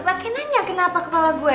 makin nanya kenapa kepala gue